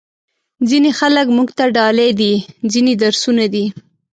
ځینې خلک موږ ته ډالۍ دي، ځینې درسونه دي.